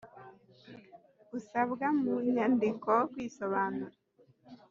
gusabwa mu nyandiko kwisobanura